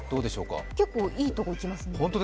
結構いいところいきますね。